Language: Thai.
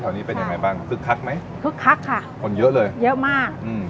นี้เป็นยังไงบ้างคึกคักไหมคึกคักค่ะคนเยอะเลยเยอะมากอืม